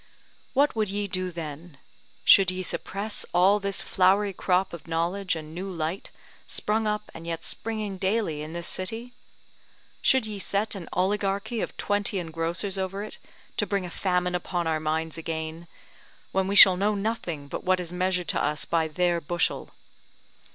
What would ye do then? should ye suppress all this flowery crop of knowledge and new light sprung up and yet springing daily in this city? Should ye set an oligarchy of twenty engrossers over it, to bring a famine upon our minds again, when we shall know nothing but what is measured to us by their bushel?